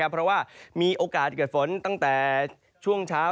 เพราะว่ามีโอกาสเกิดฝนตั้งแต่ช่วงเช้า